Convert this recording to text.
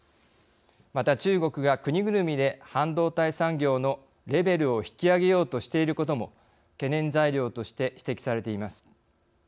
また中国が国ぐるみで半導体産業のレベルを引き上げようとしていることも懸念材料として指摘されています。